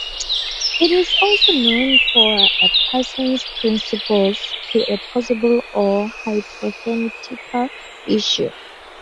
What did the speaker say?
It is also known for a person's principles to a possible or hypothetical issue.